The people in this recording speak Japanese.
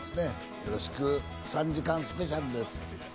よろしく、３時間スペシャルです。